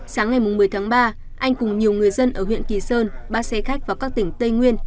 sáng ngày một mươi tháng ba anh cùng nhiều người dân ở huyện kỳ sơn ba xe khách vào các tỉnh tây nguyên